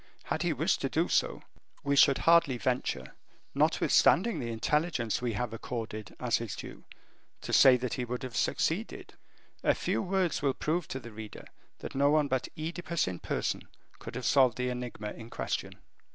Had he wished to do so, we should hardly venture, notwithstanding the intelligence we have accorded as his due, to say he would have succeeded. A few words will prove to the reader that no one but Oedipus in person could have solved the enigma in question.